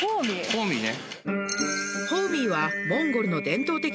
ホーミーね